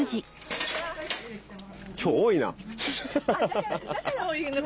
今日多いな。